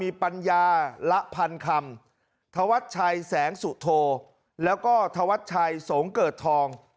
มีปัญญาละพันคำธวัชชัยแสงสุโธแล้วก็ธวัชชัยสงเกิดทอง